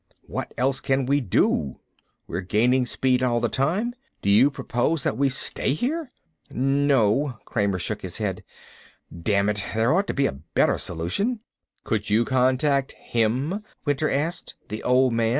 "What else can we do? We're gaining speed all the time. Do you propose that we stay here?" "No." Kramer shook his head. "Damn it, there ought to be a better solution." "Could you contact him?" Winter asked. "The Old Man?